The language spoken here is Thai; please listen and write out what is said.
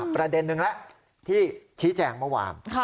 ประเด็นนึงแล้วที่ชี้แจงเมื่อวาน